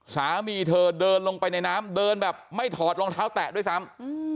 สามีเธอเดินลงไปในน้ำเดินแบบไม่ถอดรองเท้าแตะด้วยซ้ำ